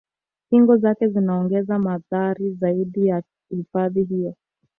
Kingo zake zinaongeza mandhari zaidi ya hifadhi hiyo